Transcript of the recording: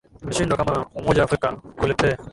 tumeshindwa kama umoja afrika kuletee